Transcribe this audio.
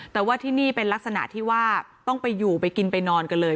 แต่ว่าที่นี่เป็นลักษณะที่ว่าต้องไปอยู่ไปกินไปนอนกันเลย